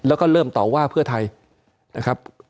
แล้วก็เริ่มต่อว่าเพื่อไทยนะครับ